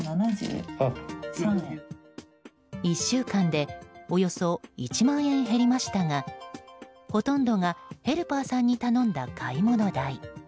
１週間でおよそ１万円減りましたがほとんどがヘルパーさんに頼んだ買い物代。